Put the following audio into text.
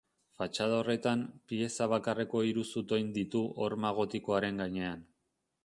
Fatxada horretan, pieza bakarreko hiru zutoin ditu horma gotikoaren gainean.